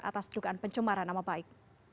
atas dugaan pencemaran nama baik